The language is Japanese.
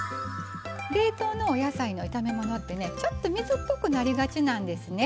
冷凍のお野菜の炒め物ってねちょっと水っぽくなりがちなんですね。